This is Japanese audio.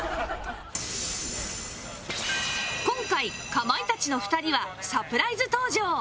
今回かまいたちの２人はサプライズ登場